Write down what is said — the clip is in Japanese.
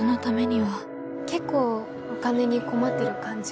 結構お金に困ってる感じかな？